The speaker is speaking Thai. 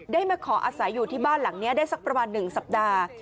ได้มาขออาศัยอยู่ที่บ้านหลังนี้ได้สักประมาณ๑สัปดาห์